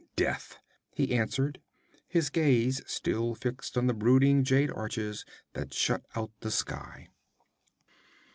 'Death!' he answered, his gaze still fixed on the brooding jade arches that shut out the sky.